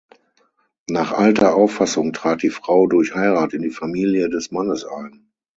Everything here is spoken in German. Nach alter Auffassung trat die Frau durch Heirat in die Familie des Mannes ein.